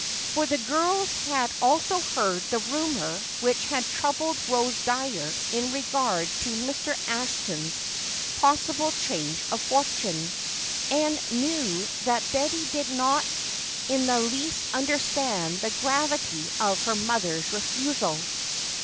For the girls had also heard the rumor which had troubled Rose Dyer in regard to Mr. Ashton's possible change of fortune, and knew that Betty did not in the least understand the gravity of her mother's refusal.